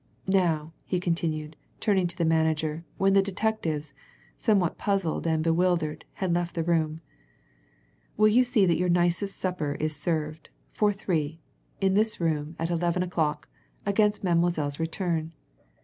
Now," he continued, turning to the manager, when the detectives, somewhat puzzled and bewildered, had left the room, "will you see that your nicest supper is served for three in this room at eleven o'clock, against Mademoiselle's return?